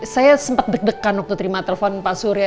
saya sempat deg degan waktu terima telepon pak surya